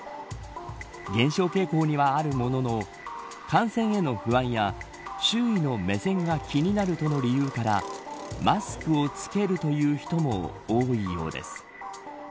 減少傾向にはあるものの感染への不安や周囲の目線が気になるとの理由からマスクを着けるという人も多いようです。